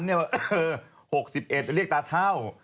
๖๑เรียกตาเท่า